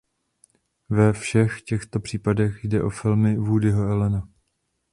Ve všech těchto případech jde o filmy Woodyho Allena.